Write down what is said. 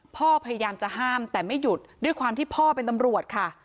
พยายามจะห้ามแต่ไม่หยุดด้วยความที่พ่อเป็นตำรวจค่ะ